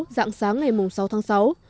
dạng sáng ngày sáu tháng sáu